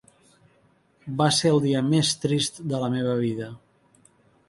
Va ser el dia més trist de la meva vida.